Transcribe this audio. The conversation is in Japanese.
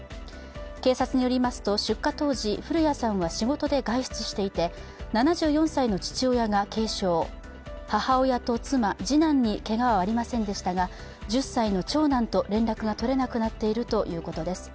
警察によりますと、出火当時、古谷さんは仕事で外出していて７４歳の父親が軽傷、母親と妻、次男にけがはありませんでしたが１０歳の長男と連絡が取れなくなっているということです。